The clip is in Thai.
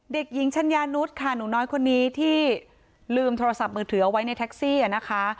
เด็กหญิงชัญญานุษย์ค่ะหนูน้อยคนนี้ที่ลืมโทรศัพท์มือถือเอาไว้ในแท็กซี่นะคะ